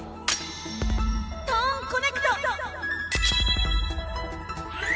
トーンコネクト！